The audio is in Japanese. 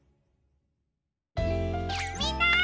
みんな！